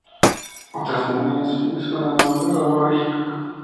Otras denominaciones son armadura o lorica.